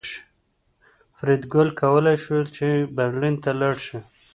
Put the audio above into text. فریدګل کولی شول چې برلین ته لاړ شي